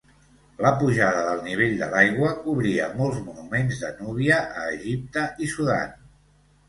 La pujada del nivell de l'aigua cobria molts monuments de Núbia a Egipte i Sudan.